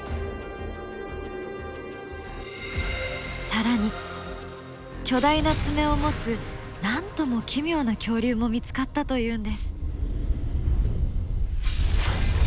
更に巨大な爪を持つなんとも奇妙な恐竜も見つかったというんです！